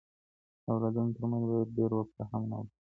د اولادونو تر منځ بايد ډيره وقفه هم نه وي.